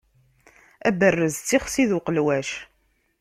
Aberrez d tixsi d uqelwac.